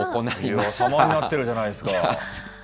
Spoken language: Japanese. さまになってるじゃないですか。